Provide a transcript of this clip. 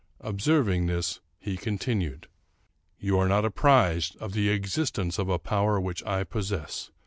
Observ ing this, he continued :—" You are not apprised of the existence of a power which I possess.